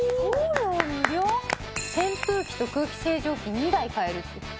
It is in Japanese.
扇風機と空気清浄機２台買えるっていう。